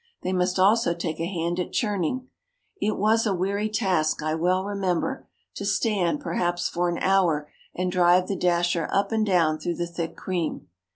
They must also take a hand at churning. It was a weary task, I well remember, to stand, perhaps for an hour, and drive the dasher up and down through the thick cream.